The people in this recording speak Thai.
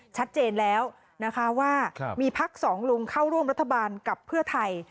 ชัดเจนแล้วนะคะว่ามีพักสองลุงเข้าร่วมรัฐบาลกับเพื่อไทย